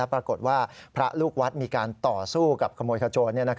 ปรากฏว่าพระลูกวัดมีการต่อสู้กับขโมยขโจร